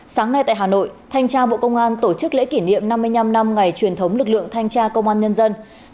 sáng nay tại hà nội thanh tra bộ công an tổ chức lễ kỷ niệm năm mươi năm năm ngày truyền thống lực lượng thanh tra công an nhân dân